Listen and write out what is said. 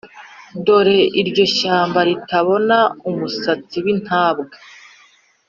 Dore iryo shyamba ritabona-Umusatsi w'intabwa.